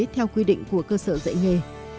theo quy định của cơ sở dạy nghề